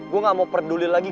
gue gak mau peduli lagi